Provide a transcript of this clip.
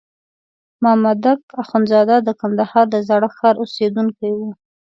مامدک اخندزاده د کندهار د زاړه ښار اوسېدونکی وو.